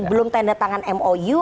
belum tanda tangan mou